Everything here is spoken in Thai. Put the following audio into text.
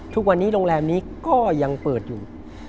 ทุกวันนี้โรงแรมนี้ก็ยังเปิดอยู่